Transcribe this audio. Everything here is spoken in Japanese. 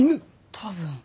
多分。